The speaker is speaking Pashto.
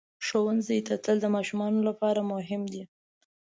ښوونځي ته تلل د ماشومانو لپاره مهم دي.